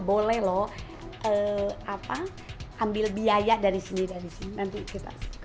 boleh lho ambil biaya dari sini dari sini